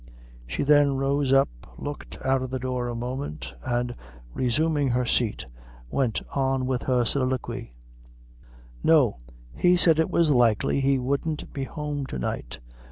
She then rose up, looked out of the door a moment, and, resuming her seat, went on with her soliloquy "No; he said it was likely he wouldn't be home to night.